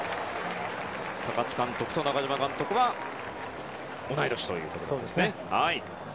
高津監督と中嶋監督は同い年ということです。